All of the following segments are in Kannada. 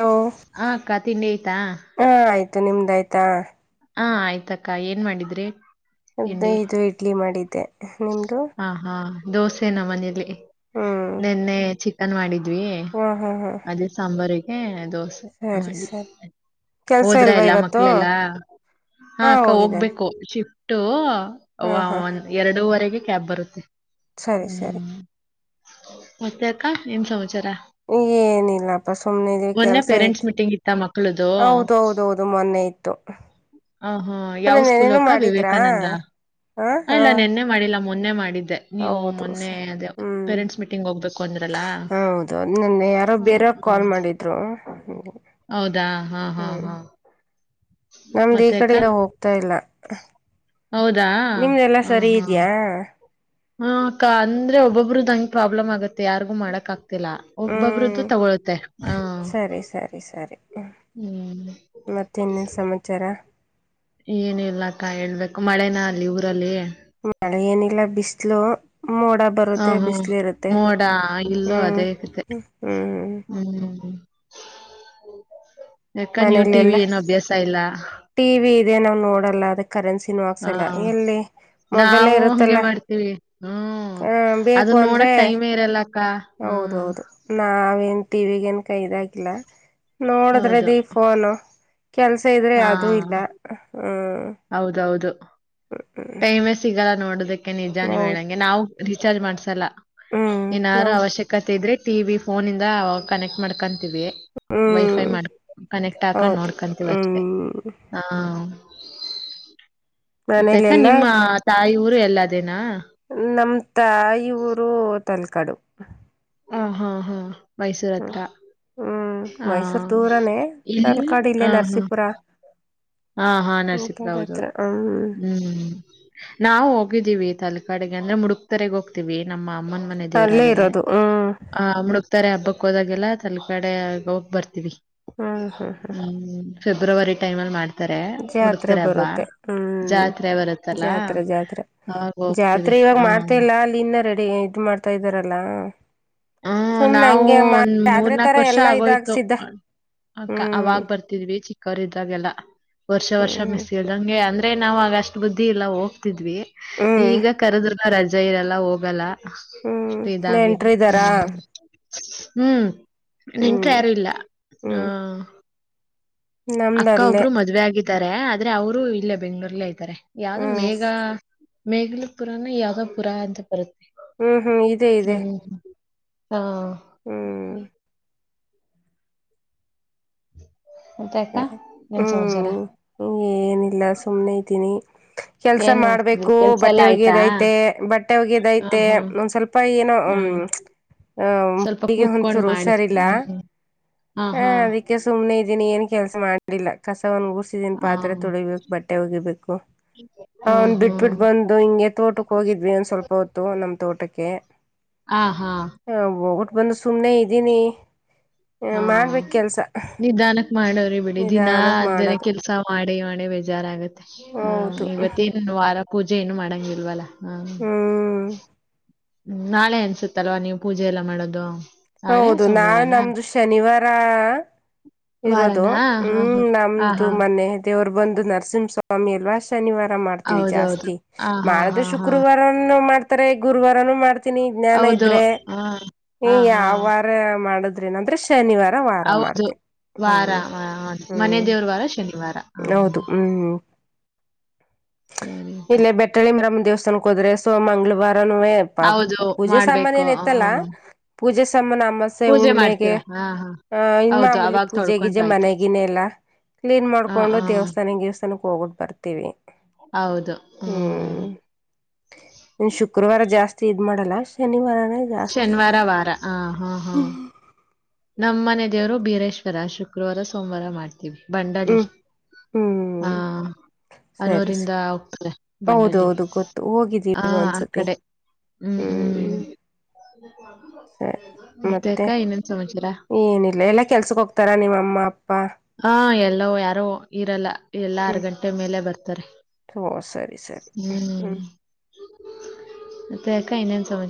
ಹಲೋ ಆ ಅಕ್ಕ ತಿಂಡಿ ಆಯ್ತಾ ಹಾ ಆಯ್ತು ನಿಮ್ದಾಯ್ತಾ ಹಾ ಆಯ್ತಕ್ಕ ಏನ್ ಮಾಡಿದ್ರಿ ತಿಂಡಿ ಇದು ಇಡ್ಲಿ ಮಾಡಿದ್ದೆ ನಿಮ್ದು ಹಾ ಹಾ ದೋಸೆ ನ ಮನೇಲಿ ಹ್ಮ್ ನಿೆನ್ನೆ ಚಿಕನ್ ಮಾಡಿದ್ದು ್ವಿ ಹಾ ಹಾ ಹಾ ಅದೇ ಸಾಂಬಾರಿಗೆ ದೋಸೆ ಸರಿ ಮಾಡಿ ಸರಿ ಕೆಲ್ಸ ಹೋದ್ರ ಇಲ್ವಾ ಎಲ್ಲ ಇವತ್ತು ಮಕ್ಳೆಲ್ಲಾ ಹಾ ಹಾಕ್ಕ ಹೋಗಿದ್ದಾನೆ ಹೋಗ್ಬೇಕು ಶಿಫ್ಟು ಹಾ ಒ ಹಾ ಎರಡೂುವರೆಗೆ ಕ್ಯಾಬ್ ಬರುತ್ತೆ ಸರಿ ಸರಿ ಹ್ಮ್ ಮತ್ತೆ ಅಕ್ಕ ನಿಮ್ ಸಮಾಚಾರ ಏನಿಲ್ಲಪ್ಪ ಸುಮ್ನೆ ಇದ ಮೊನ್ನೆ ಕೆಲ್ಸ ಪೇರೆಂಟ್ಸ್ ಯ್ತ್ ಮೀಟಿಂಗ್ ಇತ್ತ ಮಕ್ಳದು ಹೌದೌದೌದು ಮೊನ್ನೆ ಇತ್ತು ಹ ಹಾ ಮೊನ್ನೆ ಯಾವ್ ಸ್ಕೂಲ್ ನೆನೇನು ಅಕ್ಕ ಮಾಡಿದ್ರಾ ವಿವೇಕಾನಂದ ಹ ಹಾ ಇಲ್ಲ ನೆನ್ನೆ ಮಾಡಿಲ್ಲ ಮೊ ಮಾಡಿದ್ದ ನೀವು ಹೌದು ಮೊನ್ನೆ ಸರಿ ಅದ ಹ್ಮ್ ಪೇರೆಂಟ್ಸ್ ಮೀಟಿಂಗ್ ಹೋಗ್ಬೇಕು ಅಂದ್ರಲ್ಲ ಹೌದು ನನ್ನ ಯಾರೋ ಬೇರೆ ಹಾ. ಕಾಲ್ ಮಾಡಿದ್ರು ಹೌದಾ ಹಾ ಹಾ ಹಾ ನಮ್ದು ಈ ಮತ್ತೆ ಅಕ್ಕ ಕಡಿಂದ ಹೋಗ್ತಾ ಇಲ್ಲ ಹೌದಾ ನಿಮ್ದಲ್ಲ ಹಾ ಸರಿ ಹಾ ಇದ್ಯಾಾ ಹಾ ಅಕ್ಕ ಅಂದ್ರೆ ಒಬ್ಬೊಬ್ಬರುದ ಹಂ್ ಪ್ರಾಬ್ಲಮ್ ಆಗತ್ತೆ ಯಾರಿಗು ಮಾಡಕ್ ಆಗ್ತಿಲ್ಲ ಹ್ಮ್ ಒಬ್ಬೊಬ್ರದ್ದು ತಗೊಳುತ್ತೆ ಆ ಹ್ಮ ಮತ್ತೆ ಇನ್ನನ್ ಸಮಾಚಾರ ಏನ ಇಿಲ್ಲಾಕ್ಕ ಹೇಳ್ಬೇಕು ಮಳೆನ ಅಲ್ಲಿ ಊರಲ್ಲಿ ಮಳೆಯಏನಲ ಬಿಸಿಸಲು ಮೋಡ ಹಾ ಬರುತ್ತೆ ಹಾ ಬಿಸಿಲಿ ಇರುತ್ತೆ ಮೋಡ ಇಲ್ಲೂ ಹ್ಞ ಅದೇ ಕತೆ ಹ್ಞೂ ಹ ಹ್ಮ್ ಯಾಕ ನೀವು ಟಿವ ವಿ ಮನೇಲೆಲ್ಲ ಏನು ಅಭ್ಯಾಸ ಇಲ್ಲ ಇದೇ ನಾವು ನೋಡಲ್ಲ ಅದಕ್ಕೆ ಕರೆನ್ಸಿಿನ ಆಾಕ್ಸಲ ಹಾ ಎಲ್ಲಿ ಮೊಬೈಲ ನಾವು ಹಂಗೆ ಇರುತ್ತಲ್ಲ ಅದು ಅಂದ್ರೆ ನೋಡಕ್ಟೈಮ್ ಇರಲ್ಲ ಹ್ಮ್ ಹೌದೌದು ನಾವ ನ್ ಟಿವಗ ಏನ್ ಕೈಾಗಿಲ್ಲ ಹೌದು ನೋಡದ್ರದಿ ಫೋನು ಕೆಲ್ಸ ಇದ್ರೆ ಹಾ ಯದೂ ಇಲ್ಲ ಹ್ಮ್ ಹೌದೌದು ಹ್ಮ್ ಟೈಮೇ ಸಿಗಲ್ಲ ನೋಡದಕ್ಕೆ ನಿಜಾನ ಹೌದು ಹೇಳಂಗೆ ನಾವು ರೀಚಾರ್ಜ್ ಮಾಡ್ಸಲ್ಲ ಹ್ಮ್ ಏನಾರು ನಾವು ಅವಶ್ಯಕತೆ ಇದ್ರೆ ಟಿವಿ ಫೋನ ಇಂದ ಕನೆಕ್ಟ್ ಮಾಡ್ಕೊ ವೈಫೈ ಹ್ಮ್ ಮಾಡ್ ಕನೆಕ್ಟ್ ಹಾಕೊಂಡ್ ಹೌದು ನೋಡ್ಕೊಂತೀವಿ ಅಷ್ಟೇ ಹ್ಮ್ ಹ ಮನೆ ಎಲ್ಲ ನಿಮ್ಮ ತಾಯಿ ಊರು ಎಲ್ಲದೇನಾ ನಾಮ್ ತಾಯಿ ಊರು ತಲ್ಕಡು ಹ ಹಾ ಹಾ ಮೈಸೂರ ಹತ್ರ ಹ್ಮ್ ಹ ಮೈಸೂರ್ ದೂರನೇ ಇಲ್ಲಿ ತಾಲ್ಕಾಡ ಇಲ್ಲೇ ಹ ಹಾ ನರಸೀಪುರ ಹಾ ಹಾ ಈ ನರಸಿಪುರ ಕಡೆ ಹತ್ರ ಹೌದೌದು ಹ್ಮ್ ಹೂ ನಾವು ಹೋಗಿದ್ದೀವಿ ತಾಲಕ ಕಡೆಗೆ ಅಂದ್ರೆ ಮುಡುಕ್ತಾರೆಗ ಹೋಗ್ತೀವಿ ನಮ್ಮ ಅಮ್ಮನ ಮನೆ ಅಲ್ಲೇ ದೇವ್ರಾದಾಗ ಇರೋದು ಹ್ಮ್ ಆ ಮುುಕ್ತಾರೆ ಹಬ್ಬ ಹ ಕೋದಾಗೆಲ್ಲ ತಲ ಕಡೆ ಆಗ ಬರ್ತೀವಿ ಹ್ಮ್ ಹ್ಮ್ ಹ್ಮ್ ಹೂ ಫೆಬ್ರವರಿ ಟೈಮಲ್ಲಿ ಮಾಡ ಜಾತ್ರೆ ಬರುತ್ತೆ ಹೂ ಜಾತ್ರೆ ಬರುತ್ತಲ್ಲಾ ಜಾತ್ರೆ ಜಾತ್ರೆ ಅವಾಗ್ ಹೋಗ್ತೀವಿ ಜಾತ್ರೆ ಇವಾಗ ಹ. ಮಾಡ್ತಾ ಇಲ್ಲ ಅಲ್ಲಿ ಇನ್ನ ರೆಡಿ ಇದ್ ಮಾಡ್ತಾ ಇದ್ದಾರಲ್ಲಾ ಹೂ ನಾವು ಒಂದ್ ಮೂರ್ ನಾಕ ತರ ವರ್ಷ ಎಲ್ಲಾ ಆಗೋಯ್ತು ಇದಾಗ್ಸಿದ್ದ ಅಕ್ಕ ಹ್ಮ್ ಅವಾಗ್ ಬರ್ತಿದ್ವಿ ಚಿಕ್ಕವರು ಇದ್ದಾಗೆಲ್ಲ ವರ್ಷ ವರ್ಷ ಹ್ಮ್ ಮಿಸ್ ಇಲ್ಂಗೆ ಅಂದ್ರೆ ನಾವ್ ಆಗಷ್ಟ್ ಬುದ್ಧಿ ಇಲ್ಲ ಹೋಗ್ತಿದ್ವಿ ಹ್ಮ್ ಈಗ ಕರೆದರ್ ರಜೆ ಇರಲ್ಲ ಹೋಗಲ್ಲ ಹೂ ಅಷ್ಟು ಎಂಟ್ರ್ದಾರಾ ಹೂ ನೆಟ್ರು ಯಾರೂ ಇಲ್ಲ ಹೂ ಹ್ಮ್ ಅಕ್ಕ ನಮ್ದಲ್ಲೇ ಒಬ್ರು ಮದ್ವೆ ಆಗಿದ್ದಾರೆ ಆದ್ರೆ ಅವರು ಇಲ್ಲೇ ಬೆಂಗಳೂರ್ಲ್ಲೇ ಇದತಾರೆ ಯಾವ್ದೋ ಮೇಘ ಹ್ಮ್ ಮೇಘಲ ಪುರಾನ ಯಾವ್ದೋ ಪುರಾ ಅಂತ ಬರುತ್ತೆ ಹೂ ಹೂ ಇದೆ ಇದೆ ಹ್ಮ್ ಹಾ ಹ್ಮ್ ಮತ್ತೆ ಹ ಅಕ್ಕ ಏನ್ ಸಮಾಚಾರ ಹೂ ಏನಿಲ್ಲ ಸುಮ್ಮ್ನೆ ಇದ್ದೀನಿ ಕೆಲ್ಸ ಏನ್ ಮಾಡ್ತಿದ್ರಿ ಮಾಡ್ಬೇಕು ಕೆಲ್ಸ ಬಟ್ಟೆ ಎಲ್ಲಾ ಆಯ್ತಾ ಒಗೆ್ಯೋದ್ಐತೆ ಬಟ್ಟೆ ಒಗೆ್ಯೋದ ಹ ಐತೆ ಹಾ ಒಂದ್ ಸ್ವಲ್ಪ ಏನೋ ಹಾ ಹ್ ಸ್ವಲ್ಪ ಮಗೆ ಕೂತ್ಕೊಂಡ್ ಹೊಂಸೂರು ಮಾಡಿ. ಹುಷಾರಿಲ್ಲ ಹ್ಮ್. ಹಾ ಅದಕ್ಕೆ ಸುಮ್ನೆ ಇದ್ದೀನಿ ಏನ್ ಕೆಲ್ಸ ಮಾಡ್ಲಿಲ್ಲ ಕಸವನ್ನು ೂರ್ಸಿದನ್ ಆ! ಪಾತ್ರೆ ತೊಳಿಬೇಕು ಬಟ್ಟೆ ಹೂಗಿಬೇಕು ಹ ಹ್ಮ್, ಒಂದ್ ಹ್ಮ್. ಬಿಟ್ಬಿಟ್ಟ ಬಂದು ಹಿಂಗೆ ತೋಟಕ್ಕೆ ಹೋಗಿದ್ವಿ ಒಂದ್ ಸ್ವಲ್ಪ ಹೊತ್ತು ನಮ್ ತೋಟಕ್ಕೆ ಕೆ ಹ ಹಾ ಬಂದು ಸುಮ್ನೆ ಇದೀನಿ ಹಾ ನಿಧಾನಕ್ಕೆ ಮ ಮಾಡವ್ರಿ ಬಿಡಿ ದಿನಾ ನಿಧಾನಕ್ ಅನ ಮಾಡೋದು ಕೆಲ್ಸ ಮಾಡೇ ಮಾಡೇ ಬೇಜಾರ ಆಗತ್ತೆ ಹೌದು ಹ ಇವತ್ತೇನ್ ವಾರ ಪೂಜೆ ಏನು ಮಾಡಂಗಿಲ್ವಲ್ಲ ಹ ಹ್ಮ್ ಹೂ ನಾಳೆ ಅನ್ಸತ್ತಲ್ವಾ ನೀವು ಪೂಜೆ ಎಲ್ಲಾ ಮಾಡೋದು ನಾಳೆ ಹೌದು ನಾ ಸೋಮವಾರನಾ? ನಮ್ದು ಶನಿವಾರ ಇರೋದು ವಾರನಾ? ಹೂ ಹಾ, ಹಾ. ಆ, ನಮ್ದು ಹಾ. ಮನೆ ದೇವರು ಬಂದು ನರಸಿಂಹಸ್ವಾಮಿ ಅಲ್ವಾ ಶನಿವಾರ ಮಾಡ್ತವಿ ಹೌದೌದು. ಜಾಸ್ತಿ ಆ, ಹಾ, ಮಾಡ್ರೆ ಹಾ, ಹಾ. ಶುಕ್ರವಾರ ಮಾಡ್ತಾರೆ ಗುರುವಾರ ಮಾಡ್ತ ತಿನಿ ಜ್ಞಾನ ಹೌದು. ಇದ್ರೆ ಆ, ಈ ಆ, ಯಾವ ಹಾ. ವಾರ ಮಾಡುದು ಏನಂದ್ರೆ ಶನಿವಾರ ವಾರ ಹೌದು ಮಾಡ್ತಿವಿ ವಾರ ಮನೆ ದೇವ್ರ ವಾರ ಶನಿವಾರ ಹಾ ಹೌದು ಹ್ಮ್ ಹೂ ಕ ಕರಮ್ ದಿವ್ಸ್ ಅನ್ ಹೋದ್ರೆ ಸೋ ಮಂಗಳವಾರ ಹೌದು ಪೂಜೆ ಸಾಮಾನ್ ಮಾಡ್ಬೇಕು ನ ಹಾ ಇತ್ತಲ್ಲ ಪೂಜೆ ಚಮ್ಮನಾಮಸೆ ಪೂಜೆ ಉಣ್ಮೆಗೆ ಮಾಡ್ತೀರಾ ಹಾ ಹಾ ಅ ಇನ್ ಹೌದು ಮಾಮೂಲಿ ಅವಾಗ ಪೂಜೆ ಗಿಜೆ ತೊಳ್ಕೊಂಡ್ರಾಯ್ತು ಮನೆಗಿನೆಲ್ಲ ಕ್ಲೀನ್ ಹಾ ಮಾಡ್ಕೊಂಡು ಹಾ ದೇವಸ್ಥಾನಕ್ಕೆ ದೇವಸ್ಥಾನಕ್ಕೆ ಹೋಗಿಟ್ಟು ಬರ್ತೀವಿ ಹೌದು ಹೂ ಹ್ಮ್ ಇನ್ ಶುಕ್ರವಾರ ಜಾಸ್ತಿ ಇದ್ ಮಾಡಲ್ಲ ಶನಿವಾರನ ಶನಿವಾರ ವಾರ ಹ ಹಾ ಹಾ ಹ್ಮ್ ನಮ್ಮ್ ಮನೆ ದೇವರು ಬೀರೇಶ್ವರ ಶುಕ್ರವಾರ ಸೋಮವಾರ ಮಾಡ್ತೀವಿ ಬಂಡಾಲೀ ಹ್ಮ್ ಹಾ ಹ್ಮ್ ಸರಿ ಸ ಹನೂರಿಂದ ಹೋಗ್ತದೆ ಬಂಡಲ್ಲಿ ಹೌದೌದು ಗೊತ್ತು ಹಾ ಹೋಗಿದ್ದೀವಿ ಆ ಒಂದ್ಸತಿ ಕಡೆ ಹ್ಮ್ ಹ್ಮ್ ಸರಿ ತೇಕ ಮತ್ತೆ ಇನ್ನ ಏನಿಲ್ಲ ಎಲ್ಲಾ ಕೆಲ್ಸಕ್ ಹೋಗ್ತಾರಾ ನಿಮ್ಮ ಅಮ್ಮ ಅಪ್ಪ ಹಾ ಎಲ್ಲೋ ಯಾರೋ ಇರಲ್ಲ ಎಲ್ಲಾ ಆರ್ ಹ್ಮ್ ಗಂಟೆ ಮೇಲೆ ಬರ್ತಾರೆ ಓ ಸರಿ ಸರಿ ಹ್ಮ ತಕ್ಕ ಇನ್ನನು ಸಮ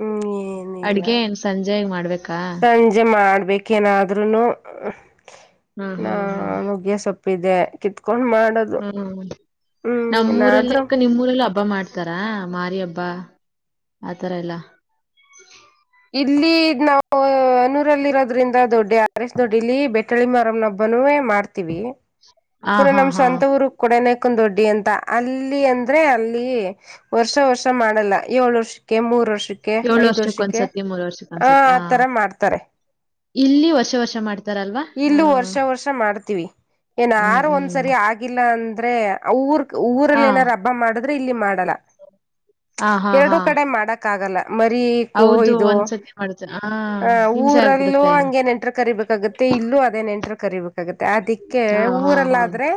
ಹ್ಮ್ ಏನಿಲ್ಲ ಸಂಜೆಗ್ ಮಾಡ್ಬೇಕಾ ಸಂಜೆ ಮಾಡ್ಬೇಕೇಏನಾದ್ರುನು ಹಾ ನಾ ಹಾ ಹಾ ನುಗ್ಗಿಯ ಸೊಪ್ಪಿದೆ ಕಿತ್ಕೊಂಡ ಹ್ಮ ಏನಾದ್ರು ನಮ್ಮೂರಲ್ಲಕ್ಕ ನಿಮ್ಮ್ೂರಲ್ಲ ಹಬ್ಬ ಮಾಡ್ ಇತಾರಾ ಮಾರಿ ಹಬ್ಬಾ ಆತರ ಎಲ್ಲ ಇಲ್ಲಿ್ ನಾವವು ನೂರಲ್ಲಿ ಇರೋದ್ರಿಂದ ದೊಡ್ಡ ಆರ್ ಎಸ್ ದೊಡ್ಡಿ ಇಲ್ಲಿ ಬೆಟ್ಟಳ್ಳಿ ಮಾರಂ್ನೊಬ್ಬ ಮನೇ ಮಾಡ್ತೀವಿ ಹ ಪುನಃ ಹಾ ನಮ್ಮ್ ಹಾ ಸ್ವಂತವರು ಕೂಡನೆ ೊಡ್ಡಿ ಅಂತ ಅಲ್ಲಿ ಅಂದ್ರೆ ಅಲ್ಲಿ ವರ್ಷ ವರ್ಷ ಮಾಡಲ್ಲ ಏಳ ವರ್ಷಕ್ಕೆ ಮೂರ್ ವರ್ಷ ವರ್ಷಕ್ಕೆ ಏಳು ಐದ್ ವರ್ಷಕ್ಕ ವರ್ಷಕ್ಕೆ ಒಂದ್ಸತಿ ಮೂರ್ ವರ್ಷಕ್ಕ ಆ ಒಂದ್ಸತಿ ಹಾ ಆತರ ಮಾಡ್ತಾರೆ ಇಲ್ಲಿ ವರ್ಷ ವರ್ಷ ಮಾಡ್ತಿ ಇಲ್ಲ ವರ್ಷ ವರ್ಷ ಮಾಡ್ತೀವಿ ಏನ ಹ್ಮ್ ಯಾರು ಹ್ಮ್ ಒಂದ್ಸರಿ ಆಗಿಲ್ಲ ಅಂದ ಅಂದ್ರೆ ಊರ್ ಊರಲ್ಲಿ ಏನಾದಾರು ಹಬ್ಬ ಮಾಡಿದ್ರೆ ಇಲ್ಲಿ ಮಾಡಲ್ಲ ಹ ಎರಡುೂ ಕಡೆ ಮಾಡಕ್ ಆಗಲ್ಲ ಮರಿ ಹೌದು ಕೋಯು ಒಂದ್ಸತಿ ಮಾಡ್ತ ಹ ಆ ಹಿಂಸೆ ಊರ ಲ್ಲೂ ಆಗ್ಬಿಡುತ್ತೆ ಹಂಗೇನ್ ಎಂಟರ್ ಕರಿಬೇಕಾಗುತ್ತೆ ಇಲ್ಲೂ ಅದೇನ್ ಎಂಟ್ರ್ ಕರಿಬೇಕು ಅದಕ್ಕೆ ಹಾ ಹಾ ಊರಲ್ಲ ಹಾ ಆದ್ರೆ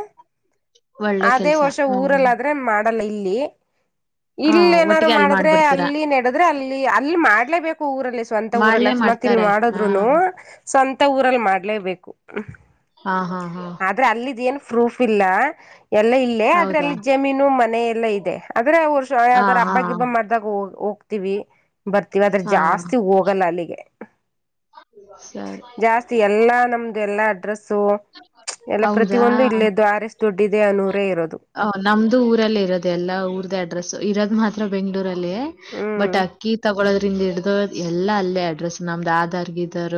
ಒಳ್ಳೆ ಅದೇ ಕೆಲ್ಸ. ವರ್ಷ ಹ್ಮ್. ಊರಲ್ಲಾದ್ರೆ ಕಡಲ ಇಲ್ಲಿ ಆ ಇಲ್ಲ ಏನಾದಾರರು ಒಟ್ಟಿಗೆ ಅಲ್ ಮಾಡಿದ್ರೆ ಮಾಡ್ಬಿಡ್ತೀರಾ? ಅಲ್ಲಿ ನೆಡದ್ರೆ ಅಲ್ಲಿ ಅಲ್ಲಿ ಮಾಡ್ಲೇಬೇಕು ಊರಲ್ಲಿ ಸ್ವಂತ ಊರಲ್ಲ ಮಾಡ್ಲೇ ಇ ಮಾಡ್ತಾರೆ. ಹಾ. ಮಾಡದ್ರುನು ಸ್ವಂತ ಊರಲ್ಲಿ ಮಾಡ ಹಾ ಹಾ ಹಾ. ಆದ್ರೆ ಅಲ್ಲಿ ಏನ್ ಪ್ರೂಫ್ ಇಲ್ಲ ಎಲ್ಲ ಇಲ್ಲೇ ಹೌದಾ? ಅದ್ರಲ್ಲಿ ಜಮೀನು ಮನೆ ಎಲ್ಲ ಇದೆ ಆದ್ರೆ ವರ್ಷ ಹಾ ಯದ್ರ ಹಾ. ಹಬ್ಬಗಿಬ್ಬ ಮಾಡ್ದಾಗ ಹೋಗ್ತವಿ ಬರ್ತೀವಿ ಅದ್ರ ಹಾ. ಜಾಸ್ತಿ ಹೋಗಲ್ಲ ಅಲ್ಲಿಗೆ ಸರಿ ಜಾಸ್ತಿ ಎಲ್ಲಾ ನಮ್ದು ಎಲ್ಲಾ ಅಡ್ರೆಸ್ು ಎಲ್ಲಾ ಹೌದಾ? ಪ್ರತಿಯೊಂದು ಇಲ್ಲೇ ದ್ವಾರೆ ಎಷ್ಟ ದೊಡ್ಡ ಇ ಅನ್ನು ಹ ನಮ್ದು ಊರಲ್ಲೇ ಇರೋದೆ ಎಲ್ಲಾ ಊರ್ದ ಅಡ್ರೆಸ್ ಇರೋದ ಮಾತ್ರ ಬೆಂಗ್ಳೂರಲ್ಲಿ ಹ್ಮ್ ಬಟ್ ಅಿ ತ ಹಿಡ್ದು ಎಲ್ಲಾ ಅಲ್ಲೇ ಅಡ್ರೆಸ್ ನಮ್ದು ಆಧಾರ್ ಗಾರ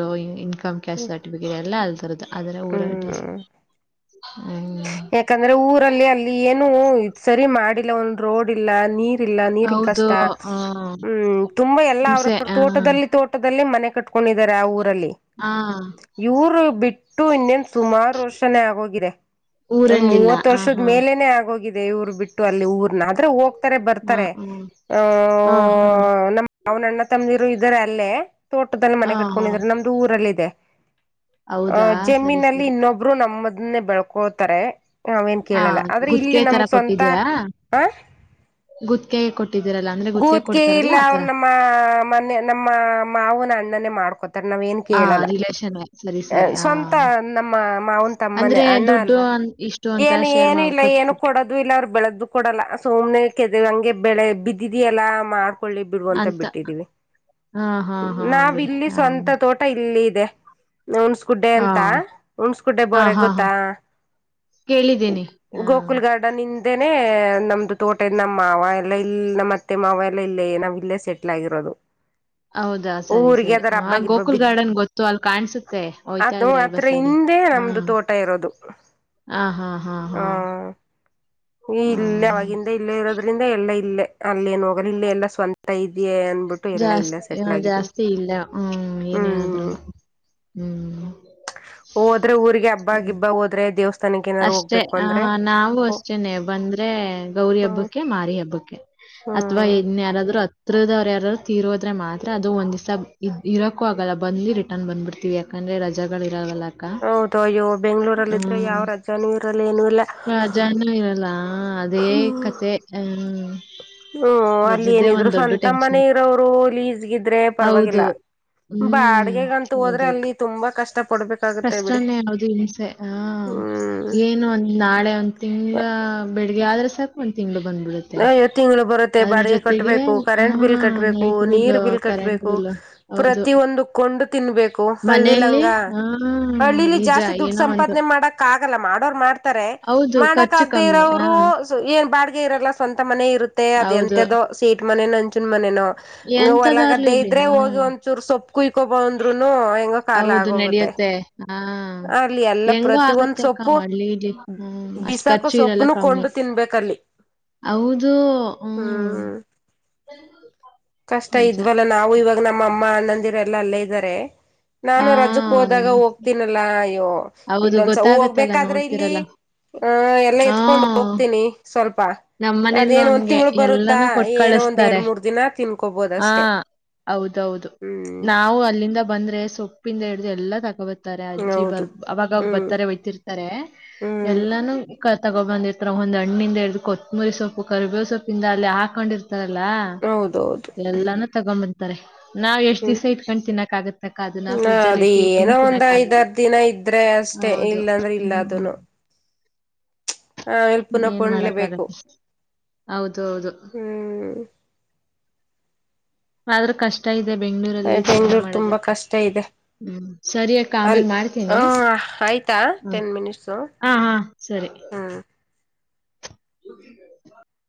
ಕ್ ಕ್ಯಾಟ್ ಸರ್ಟಿಫಿಕೇಟ್ ಎಲ್ಲ ಅಲ್ಲಿ ತರ ಅದ್ರ ಊರ ಅಡ್ರೆಸ್ ಹ್ಮ್ ಹ್ಮ್. ಯಾಕಂದ್ರೆ ಊರಲ್ಲಿ ಅಲ್ಲಿ ಏನು ಇ ಸರಿ ಮಾಡಿಲ್ಲ ಒಂದ್ ರೋಡ್ ಇಲ್ಲ ನೀರ್ ನೀ ಹೌದು. ಕಷ್ಟ ಹ್ಮ್. ಹ್ಮ ತು ಎಲ್ಲ ಹಿಂಸೆ. ಅವ ಹಾ. ತೋಟ ತೋಟ ಮ ಹಕೊಂಡಿದ್ದಾರೆ ಆ ಊರಲ್ಲಿ ಹಾ. ಇವರು ಬಿಟ್ಟ ಇಟ್ಟು ಇನ್ನೇನ್ ಸುಮಾರು ವರ್ಷನೇ ಆಗೋಗಿದೆ ಒಂದ ಊರಲ್ಲಿಲ್ಲ. ಮೂವತ್ತು ಹಾ ವರ್ಷದ ಹಾ. ಮೇಲೆನೆೇ ಆಗೋಗಿದ ದೇವ್ರು ಬಿಟ್ಟು ಅಲ್ಲಿ ಊರ್ನ ಆದ್ರೆ ಹೋಗತ ಹಾ ಬರ್ತಾರೆ ಅಹ ಹಾ ಹಾ ನಮ್ಮ ಅವ್ನಣ್ಣ ತಮ್ಮಿರು ಇದಾರೆ ಅಲ್ಲೇ ತೋಟದಲ್ಲಿ ಮನೆ ಹಾ ಹಾ ಕಟ್ಕೊಂಡಿದ್ರ ನಮ್ದು ಊರಲ್ಲಿ ಇದೆ ಹೌದಾ ಅಹ ಸರಿ ಜಮೀನಲ್ಲಿ ಸರಿ ಇನ್ನೊಬ್ರು ನಮ್ಮದನ್ನೇ ಬೆಳ್ಕೊತಾರೆ ನಾವೇನ್ ಹಾ ಕೇಳಲ್ಲ ಆದ್ರೆ ಗುತ್ತಿಗೆ ಇಲ್ಲಿ ತರ ನಮ್ಗ್ ಸ್ವಂತ ಕೊಟ್ಟಿದ್ದೀರಾ ಹ ಗುತ್ತಿಗೆ ಕೊಟ್ಟಿದ್ದೀರಲ್ಲ ಅಂದ್ರೆ ಗುತ್ತಿಗೆ ಗೂತ್ಕಿ ಕೊಡ್ತಾರಲ್ಲ ಇಲ್ಲ ಅವ್್ರ ಆತರ ನಮ್ಮ ಮನೆ ನಮ್ಮ ಮಾವನ ಅಣ್ಣನೆೇ ಮಾಡ್ಕೊತ ಆಥರ ನಾವ್ ಏನ್ ಹಾ ಕೇಳಲ್ಲ ರಿಲೇಶನ್ ಸರಿ ಸರಿ ಹಾ ಸ್ವಂತ ನಮ್ಮ ಮಾವನ್ ತಮ್ಮನ ಅಂದ್ರೆ ಅಣ್ಣ ದುಡ್ಡು ಅಲ್ವಾ ಅನ್- ಇಷ್ಟು ಅಂತ ಏನು ಶೇರ್ ಏನು ಇಲ್ಲ ಮಾಡ್ಬೇಕ ಏನು ಕೊಡೋದು ಇಲ್ಲ ಅವ್ರು ಬೆಳೆ್ದು ಕೊಡಲ್ಲ ಸುಮ್ನೆ ಕೆದ ಹಂಗೆ ಬೆಳೆ ಬಿದ್ದಿದಿ ಎಲ್ಲ ಮಾಡ ೊಳ್ಳಿ ಬಿಡುವಂತ ಅಂತ ಬಿಟ್ಟಿದೀವಿ ಹಾ ಹಾ ಹಾ ನಾವ್ ಬಿಡಿ ಇಲ್ಲಿ ಹಾ ಸ್ವಂತ ತೋಟ ಇಲ್ಲಿ ದೆ ಉಣಸ್ ಗುಡ್ಡೆ ಹಾ ಅಂತ ಉಣಸ್ ಗುಡ್ಡೆ ಹಾ ಬೋರೆ ಹಾ ಹಾ ಗೊತ್ತಾ ಕೇಳಿದ್ದೀನಿ ಹಾ ಗೋಕುಲ್ ಗಾರ್ಡನ್ ಹಿಂದೆ ನಮ್ದು ತೋಟದ ನಮ್ಮ ಮಾವ ಎಲ್ಲ ಇಲ್ಲಿ ನಮ್ಮ ಮತ್ತೆ ಮಾವಲ್ಲ ಇಲ್ಲೇ ನಾವ್ ಇಲ್ಲೇ ಸೆಟ್ಲ್ ಆಗಿರೋದು ಹೌದಾ ಸರಿ ಊರಿಗೆ ಸರಿ ಅದರ ಹಬ್ಬ ಗಿಬ್ಬ ಗೋಕುಲ್ ಬಿದ್ದ ಗಾರ್ಡನ್ ಗೊತ್ತು ಅಲ್ ಕಾಣ್ಸುತ್ತೆ ಹೋಯ್ತಾ ಅದು ಇದ್ರೆ ಅದ್ರ ಬಸ್ಸ ಅಲ್ಲಿ ಹಿಂದೆ ನಮ್ದು ತೋಟ ಇರೋದು ಹಾ ಹಾ ಹಾ ಹಾ ಹ ಇಲ್ಲೇ ಹಾ ಅವವಾಗಿಂದ ಇಲ್ಲೇ ಇರೋದ್ರಿಂದ ಎಲ್ಲಾ ಇಲ್ಲೇ ಅಲ್ಲೇನ್ ಹೋಗಲ್ಲ ಇಲ್ಲ ಎಲ್ಲಾ ಸ್ವಂತ ಇದೆಯ ಬಂದಬಿಟ್ಟು ಎಲ್ಲಾ ಇಲ್ಲ ಜಾಸ್ತಿ ಆ, ಸೆಟ್ಲ್ ಆಗಿದ್ವಿ ಜಾಸ್ತಿ ಇಲ್ಲ ಹ್ಮ್ ಏನೇ ಹ್ಮ್ ಆದ್ರೂನು ಹ್ಮ್ ಹೋದ್ರೆ ಊರಿಗೆ ಹಬ್ಬ ಗಿಬ್ಬ ಹೋದ್ರೆ ದೇವಸ್ಥ ಅಷ್ಟೇ ಅ ನಾವವು ಅಷ್ಟೇನೆ ಬಂದ್ರೆ ಗೌರಿ ಹ್ಮ್ ಹಬ್ಬಕ್ಕೆ ಮಾರಿ ಹಬ್ಬಕ್ಕೆ ಅಥವಾ ಹ್ಮ್ ಇನ್ ಯಾರಾದ್ರು ಹತ್ರ ಇ್ರ ಯಾರರು ತೀರೋದ್ರೆ ಮಾತ್ರ ಅದು ಒಂದ್ವ್ಸ ಇರಕ್ಕೂ ಆಗಲ್ಲ ಬ್ ರಿಟನ್ ಬಂದ್ಬಿಡ್ತೀವಿ ಯಾಕಂದ್ರೆ ರಜೆಗಳು ಇರಾವಲ್ಲಕ್ಕ ಹೌದು ಅಯ್ಯೋ ಬೆಂಗ್ಳೂರಲ್ಲಿ ಇದ್ರೆ ಯಾವ ಹ್ಮ ರಜಾನೂ ಇರಲ್ಲ ಏನು ಇಲ್ಲ ರಾಜೂ ಇರಲ್ಲ ಅದೇ ಕತೆ ಹ್ಮ್ ಹ್ಮ್ ಅಲ್ಲಿ ರಜದೇ ಏನಿದ್ರು ಒಂದ್ ದೊಡ್ಡ ಸ್ವಂತ ಮನೆ ಟೆನ್ಷನ್ ಇರೋರು ಲೀಜಗಿದ್ರೆ ಹೌದು ಪರವಾಗಿಲ್ಲ ಹ್ಮ್ ಬಾಡಗೆಗಂತು ಹೋದ್ರೆ ಅಲ್ಲಿ ತುಂಬಾ ಕಷ್ಟ ಪಡ್ಬೇಕಾಗತ್ತೆ ಬಿಡಿ ಪ್ರಷ್ಟ್ನೇ ಹೌದು ಹನ್ಸೆ ಹ ಹ್ಮ್ ಏನು ಒಂದ್ ನಾಳೆ ಒಂದ್ ತಿಂಗಳ ಬೆಳಿಗ್ಗೆ ಆದ್ರ ಸಾಕು ಒಂದ ತಿಂಗ್ಳ ವತ್ ತಿಂಗ್ಗಳು ಬರುತ್ತೆ ಬಾಡಿಗೆ ಜೊತೆಗೆ ಕಟ್ಬೇಕು ಆ ಕರೆಂಟ್ ಬಿಲ್ ಕಟ್ಬೇಕು ನೈಟ್ ಬಿಲ್ಲು, ನೀರ್ ಬಿಲ್ ಕರೆಂಟ್ ಕಟ್ಬೇಕು ಬಿಲ್ಲು. ಹೌದು. ಪ್ರತಿಯ ಒಂದು ಕೊಂಡು ತಿನ್ಬೇಕು ಹಳ್ಳಿಲಂಗ ಹಾ ಹಳ್ಳಿಲಿ ಜಾಸ್ತಿ ದುಡ್ ಸಂಪಾದನೆ ಮಾಡಕ್ ಆಗಲ್ಲ ಮಾಡೋರು ಮಾಡ್ತಾರೆ ಹೌದು ಮಾಡಕ್ ಖರ್ಚು ಆಗದೆ ಕಮ್ಮಿ. ಆ ಇರೋರು ಏನ್ ಬಾಡಗೆ ಇರಲ್ಲ ಸ್ವಂತ ಮನೆ ಇರುತ್ತೆ ಅದ ಹೌದು. ಎಂತದೋ ಸೀಟ್ ಮನೆನೋ ಅಂಚುನ್ ಮನೆನೋ ಹ ಎಂಥದಾಗ್ಲಿ ಹೊಲಗದ ಇಲ್ಲಿ ಇದ್ರೆ ಹಾ. ಹೋಗಿ ಒಂದಚೂರು ಸೊಪ್ಪು ಕುಯ್ಕೋಬ ಅಂದ್ರುನು ಹೆಂಗ ಕಾಲ ಹೌದು ಆಗೋಗುತ್ತೆ ನಡೆಯುತ್ತೆ. ಹಾ. ಅಲ್ಲಿ ಎಲ್ಲ ಹೆಂಗೋ ಪ್ರತಿ ಒಂದ್ ಆಗುತ್ತೆ ಸೊ ಅಕ್ಕ ಸೊಪ್ಪು ಹಳ್ಳೀಲಿ. ಹ್ಮ್. ಅಷ್ಟ್ ಬಿಸಾಕ ಖರ್ಚು ಇರಲ್ಲ ಸೊಪ್ಪುನು ಕಮ್ಮಿ. ಕೊಂಡು ತಿನ್ಬೇಕಲ್ಲಿ ಹೌದು ಹ್ಮ್ ಕಷ್ಟ ನಿಜ. ಇದ್ವಲ್ಲ ನಾವು ಇವಾಗ ನಮ್ಮ ಅಮ್ಮ ಅಣ್ಣಂದಿರೆ ಎಲ್ಲ ಅಲ್ಲೇ ಇದ್ದಾರೆ ನಾನು ರಜಕ್ ಹೋದಾಗ ಆ. ಹೋಗ್ತೀನಲ್ಲಾ ಅಯ್ಯೋ ಹೌದು ಇಲ್ಲೊಂದಸ ಗೊತ್ತಾಗತ್ತಲ್ಲ ಹೋಗ್ಬೇಕಾದ್ರೆ ಇಲ್ಲಿ ನೋಡ್ತಿರಲ್ಲ. ಹ ಎಲ್ಲಾ ಹಾ ಎತ್ಕೊಂಡು ಹೋಗ್ತೀನಿ ಸ್ವಲ್ಪ ನಮ್ಮನೇಲೂ ಅದೇನ ಒಂದ್ ಹಂಗೆ ತಿಂಗಳು ಬರುತ್ತಾ ಎಲ್ಲಾನು ಕೊಟ್ ಏನ ಒಂದ್ ಕಳಿಸ್ತಾರೆ. ಎರಡ್ ಮೂರ್ ದಿನ ತಿನ್ ಹಾ ಹೌದೌದು ಹ್ಮ್ ನಾವು ಅಲ್ಲಿಂದ ಬಂದ್ರೆ ಸೊಪ್ಪಿ ಹು ಎಲ್ಲ ತಗವತ್ತ ಹೌದು ಹ್ಮ್ ಹ್ಮ್ [unintelligible] ಕ ತಗೊಬಂದಿರ್ತ ಒಂದು ಅಣ್ಣಿಂದ ಕೊತ್ತಂಬರಿ ಸೊಪ್ಪು ಕರವೇ ಸೊಪ್ಪಿಂದ ಅಲ್ಲಿ ಹಾಕೊಂಡ್ ಇರ್ತಾರೆ ಇರ್ತಾರಲ್ಲ ಹೌದೌದು ಎಲ್ಲಾನು ತಗೊಂಡ್ ಬರ್ತಾರೆ ನಾವ್ ಎಷ್ಟ್ ಹ್ಮ್ ಇಟ್ಕೊಂಡು ತಿನ್ನಕ್ ಆಗುತ್ತೆ ಫ್ರಿಜ್ಜಲ್ಲಿ ಅದ ಟಿ ಟಿ ಏನೋ ಒಂದ್ ತಿನ್ನಕ್ಕೆ ಆಗಲ್ಲ ಐದಾರ ದಿನ ಇದ್ರೆ ಅಷ್ಟೇ ಹೌದು ಇಲ್ಲಾಂದ್ರೆ ಇಲ್ಲ ಹ್ಮ ಅದನು [unintelligible] ಹೌದು ಹೌದು ಹ್ಮ್ ಆದ್ರ ಕಷ್ಟ ಇದೆ ಬೆಂಗಳೂರಲ್ಲಿ ಕೆಲಸ ಬೆಂಗ್ಳೂರ್ ತುಂಬಾ ಮಾಡುವುದಕ್ಕೆ ಕಷ್ಟ ಇದೆ ಹ್ಮ್ ಸರಿಯಕ್ಕ ಅಲ್ ಆಮೇಲ್ ಮಾಡ್ತೀನಿ ಹ ಆಯ್ತಾ ಹ್ಮ ಹ ಹಾ ಸರಿ ಹಾ ಯ್ಯ